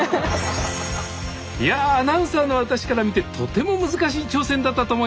いやアナウンサーの私から見てとても難しい挑戦だったと思います。